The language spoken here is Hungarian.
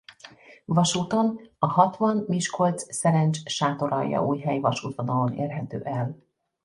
Vasúton a Hatvan–Miskolc–Szerencs–Sátoraljaújhely-vasútvonalon érhető el.